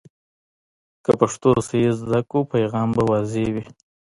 که پښتو صحیح زده کړو، پیغام به واضح وي.